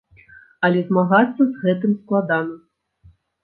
Але змагацца з гэтым складана.